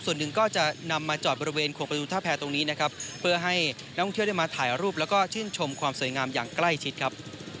ส่วนหนึ่งก็จะนำมาจอดบริเวณขวงประตูท่าแพรตรงนี้นะครับเพื่อให้นักท่องเที่ยวได้มาถ่ายรูปแล้วก็ชื่นชมความสวยงามอย่างใกล้ชิดครับ